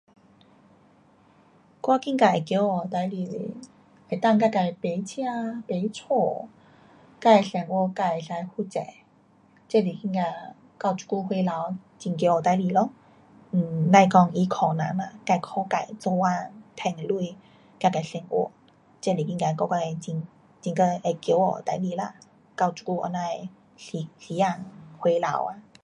我觉得会骄傲的事情就是能够自自买车，买家，自生活自可以负责。这是那样到这久岁头很骄傲的事情咯，um 甭讲要靠人呐，自能够靠自做工，赚钱自自生活，这是觉得讲我会很，很嘎骄傲的事情啦，到这久这样时，时间岁头啊。